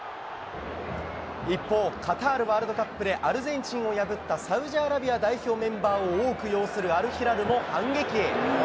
一方、カタールワールドカップでアルゼンチンを破ったサウジアラビア代表メンバーを多く擁するアルヒラルも反撃。